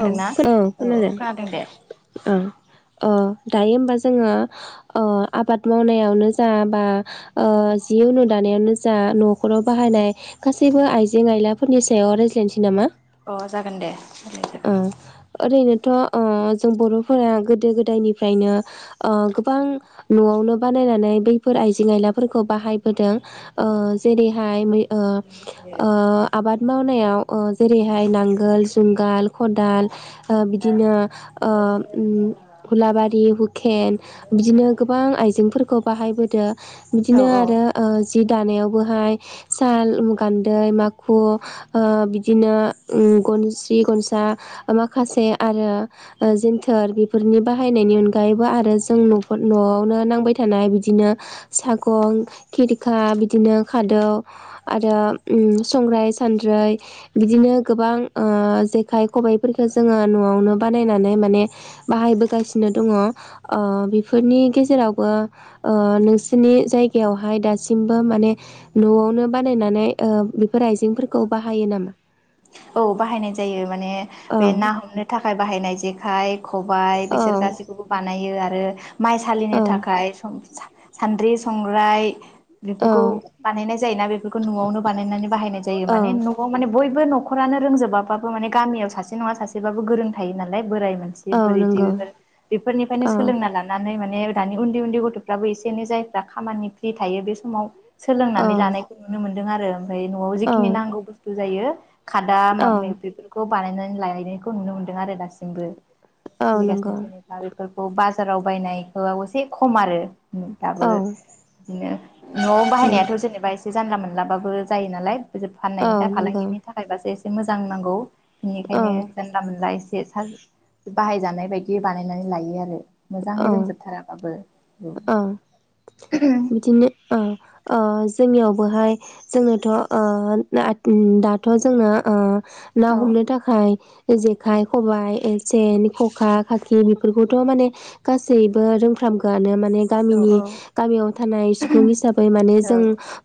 खोनादोंना औ-औ औ औ खोनादों दे औ अ दायो होमबा जोंङो आबाद मावनायावनो जा बा जि उ नु दानायावनो जा नखराव बाहायनाय गासैबो आइजें आइलाफोरनि सायाव रायज्लायनोसै नामा। अ जागोन दे। रायलाय जागोन अओ रैनो थ जों बरफोरा गोदो गोदायनिफ्रायनो गोबां न'आवनो बानायनानै बैफोर आइजें आइलाफोरखौ बाहायबोदों। जेरैहाय आबाद मावनायाव। अ जेरैहाय नांगोल जुंगाल। खदाल ओ बिदिनो ओ हुलाबारि हुकेन बिदिनो गोबां आइजेंफोरखौ बाहायबोददों औ बिदिनो औ आरो जि- दानायावबोहाय साल गान्दै माखु बिदिनो गनस्रि गन- दा माखासे आरो जन्थोर बेफोरनि बाहायनायनि अनगायैबो आरो जों नआवनो नांबाय थानाय बिदिनो सागं खेरिखा बिदिनो खादौ आरो संग्राय सान्द्रै बिदिनो गोबां- आखाय खबाइफोरखौ जोङो न'आवनो बानायनानै माने बाहायबोगासिनो दङ बेफोरनि गेजेरावबो नोंसोरनि जायगायावहाय दासिमबो माने नआवनो बानायनानै बेफोर आइजेंफोरखौ बाहायो नामा। औ बाहायनाय जायो माने औ बे ना हमनो थाखाय बाहायनाय। जेखाय खबायाइ औ बिसोर गासैखौबो बानायो आरो। आरो माइ औ सालिनो थाखाय सम सान्द्रि संग्राय बेफोरखौ औ बानायनाय जायोना बे - बेखौ न'आवनो बानायनानै। बाहायनाय जायो औ माने न'आव माने बयबो न'। न'खरानो रोंजोबाबो माने गामियाव सासे नङा सासेबाबो गोरों थायो नालाय बोराय।। औ नंगौ [unintelligible] बेफोरनिफ्रायनो औ सोलोंना लानानै माने। मे दानि उन्दै उन्दै गथ'फ्राबो एसे एनै जायफ्रा खामानि फ्रि थायो बे समाव औ सोलोंनानै लानायखौ नुनो मोनो। दों आरो न'आव औ जिखिनि नांगौ बुस्थु बुजायो खादा औ माबा माइबि बेफोरखौ बानायनानै लायनायखौ नुनो मोनदों आरो दासिमबो। औ सलिगासि नंगौ जेनबा बेफो बेफोरखौ बाजाराव बायनायखौ एसे खम आरो औ दाबो बिदिनो न'आव बाहायनायाथ' जेनेबा एसे जानला मोनलाबाबो जायो नालाय फोजोब औ फाननायनि दा नंगौ फालांगिनि बासो एसे मोजां नांगौ। औ बिनिखायनो जानला मोनला एसे [unintelligible] बाहायजानाय बायदि बानायनानै लायो आरो। मोजाङै औ रोंजोबथाराबाबो औ मिथिनो ओ ओ जोंनियावबोहाय जोंनोथ' ओ ना दाथ' जोंनो ओ ना औ हमनो थाखाय जेखाइ खबाइ एस सेन, खखा, खाखि, बेफोरखौ ट माने गासैबो रोंफ्रामगोआनो मान औ गामिनि गामियाव थानाय सुबुं हिसाबै माने जों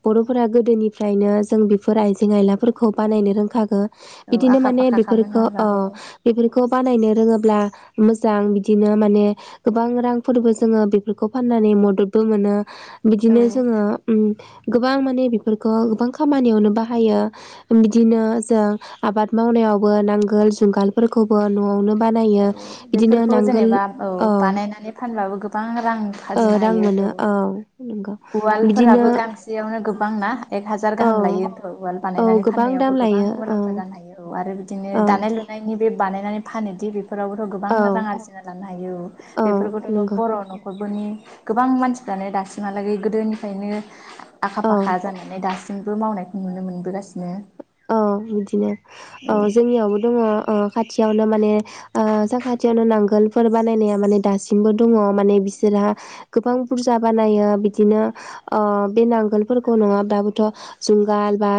बर' फुरा गोदोनिफ्रायनो जों बेफोर आइजें आइला फोरखो बानायनो रोंखागो औ बिदिनो आखा माने फाखा खामो बेफोरखो नङा ओ होमबा बेफोरखो खौ बानायनो रोङोब्ला मोजां बिदिनो माने गोबां रांफोरबो जोङो बेफोरखौ फाननानै मददबो मोनो। औ बिदिनो जोङो उम्म गोबां माने बेफोरखौ गोबां खामानियावनो बाहायो बिदिनो जों आबाद मावनायावबो नांगोल जुंगाल फोरखौबो न'आवनो बानायो औ बिदिनो नांगोल औ बायनानै फानबाबो गोबां रां ओ फाजिनो रां हायो औ मोनो नंगौ औ बिदिनो उवालफोराबो गांसेयावनो गोबां ना एक हाजार हाजार औ गाहाम लायो औ उवाल औ बानायनानै गोबां दाम फाननायावबो गोबां लायो औ मुलाम्फा जानो हायो औ आरो बिदिनो औ दानाय लुनायनि बे बानायनानै फानोदि बेफ फोरावबोथ' गोबां औ रां आरजिना लानो हायो औ बेफोरखौथ' बर' न'ख नि गोबां मानसिफ्रानो दासिमानो लागै गोदोनिफ्रायनो आखा औ फाखा जानानै दासि जोंबो मावनायखौ नुनो मोनबोगासिनो। औ बिदिनो औ जोंनियावबो दङ। साखाथियावनो माने ओ साखाथियावनो नांगोलफोर बानायनाया माने दासिमबो दङ माने बिसोरहा गोबां बुरजा बानायो बिदिनो ओ बे नांगोलफोरखौ नङाबाबोथ' जुंगाल बा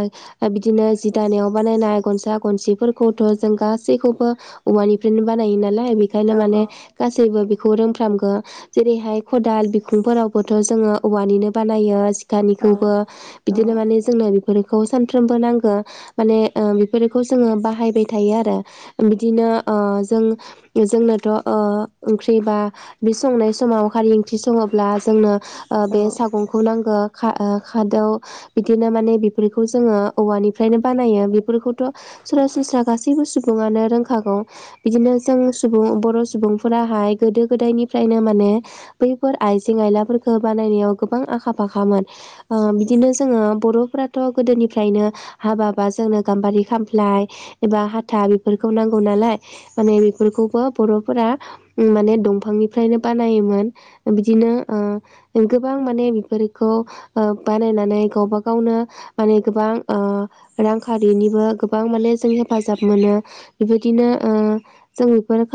बिदिनो जि दानायाव बानायनाय गनसा गनसिफोरखौथ' जों गासैखौबो औवानिफ्रायनो बानायो नालाय बेखायनो माने औ गासैबो बेखौ रोंफ्रामगो जेरैहाय खदाल बिखुंफोरावबोथ' जोङो औवानिनो बानायो। औ दानिखौबो बिदिनो माने जोंनो बिफोर खौ सानफ्रोमबो नांगौ। खो माने ओ बेफोरखौ जोङो बाहायबाय थायो आरो बिदिनो ओ जों-जोंनोथ' ओ ओंख्रिबा बे संनाय समाव खारै ओंख्रि सङोब्ला जोंनो ओ औ बे सागंखौ नांगो खा ओ खादौ बिदिनो माने बेफोरखौ जोङो औवानि फ्रायनो बानायो बेफोरखौथ' सरासनस्रा गासैबो सुबुङानो रोंखागौ बिदिनो जों सुबुं बर' सुबुंफोराहाय गोदो गोदायनिफ्रायनो माने बैफोर आइजें आयलाफोरखौ बानायनायाव गोबां आखा फाखामोन ओ बिदिनो जोङो बर'फोराथ' गोदोनिफ्रायनो हाबा बा जोंनो गाम्बारि खामफ्लाय एबा हाथा बेफोरखौ नांगौ नालाय माने बेफोरखौबो बर'फोरा उम माने दंफांनिफ्रायनो बानायोमोन बिदिनो ओ गोबां माने बेफोरखौ ओ बानायनानै गावबा गावनो माने गोबां ओ रांखारिनिबो गोबां माने जों हेफाजाब मोनो बेबायदिनो ओ जों बेफोर